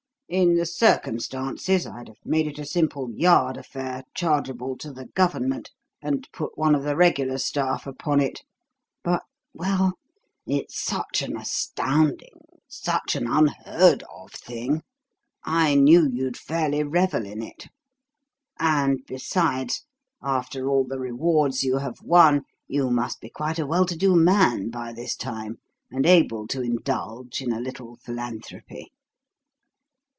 In the circumstances, I'd have made it a simple 'Yard' affair, chargeable to the Government, and put one of the regular staff upon it. But well, it's such an astounding, such an unheard of thing, I knew you'd fairly revel in it. And besides, after all the rewards you have won you must be quite a well to do man by this time, and able to indulge in a little philanthropy."